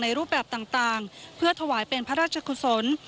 รูปแบบต่างเพื่อถวายเป็นพระราชกุศล